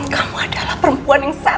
kamu adalah perempuan yang sangat jahat